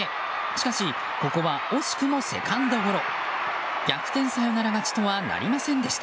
しかしここは惜しくもセカンドゴロ。